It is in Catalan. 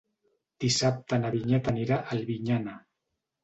Dissabte na Vinyet anirà a Albinyana.